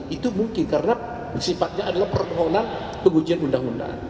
itu mungkin karena sifatnya adalah permohonan pengujian undang undang